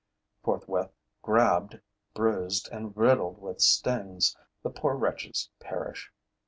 Forthwith grabbed, bruised and riddled with stings, the poor wretches perish.